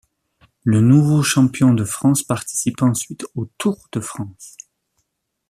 Le nouveau champion de France participe ensuite au Tour de France.